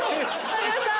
有吉さん